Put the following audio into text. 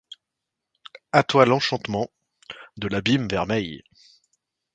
A toi l'enchantement. de l'abîme vermeil ;